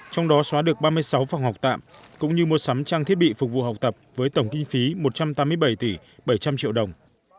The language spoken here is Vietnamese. trong đó xóa được ba mươi sáu phòng học tạm cũng như mua sắm trang thiết bị phục vụ học tập với tổng kinh phí một trăm tám mươi bảy tỷ bảy trăm linh triệu đồng